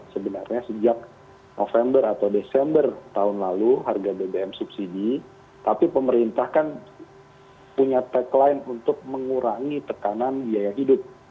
sebenarnya sejak november atau desember tahun lalu harga bbm subsidi tapi pemerintah kan punya tagline untuk mengurangi tekanan biaya hidup